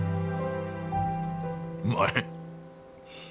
うまい。